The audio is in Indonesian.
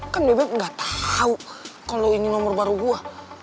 kan bebek gak tau kalo ini nomor baru gua